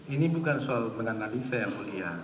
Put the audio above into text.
ini bukan soal menganalisa yang mulia